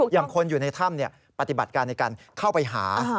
อย่างคนอยู่ในถ้ำปฏิบัติการในการเข้าไปหา